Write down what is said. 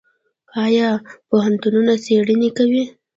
آیا پوهنتونونه څیړنې کوي؟